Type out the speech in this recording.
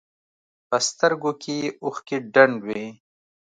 په سترګو کښې يې اوښکې ډنډ وې.